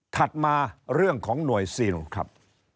ถัดมาเรื่องของหน่วยซิลครับ